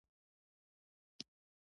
بر پښتون د ګرامر تدریس لري.